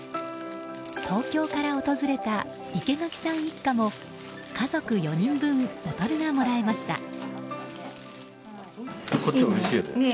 東京から訪れた生垣さん一家も家族４人分ボトルがもらえました。